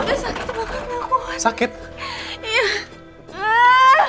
rik aku sakit banget